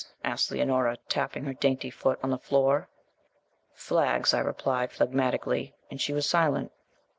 asked Leonora, tapping her dainty foot on the floor. 'Flags,' I replied phlagmatically, and she was silent.